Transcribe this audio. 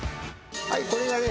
これがね